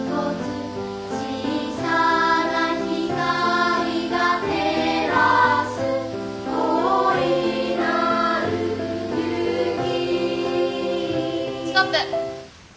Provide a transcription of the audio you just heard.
「小さな光が照らす大いなる勇気」ストップ！